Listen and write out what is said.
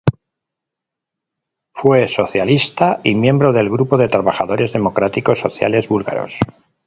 Fue socialista y miembro del Grupo de Trabajadores Democráticos Sociales Búlgaros.